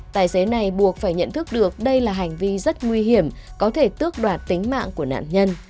tài xế này buộc phải nhận thức được đây là hành vi rất nguy hiểm có thể tước đoạt tính mạng của nạn nhân